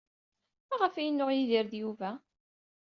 Maɣef ay yennuɣ Yidir ed Yuba?